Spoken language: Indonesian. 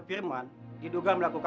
guru ini cuma olahoko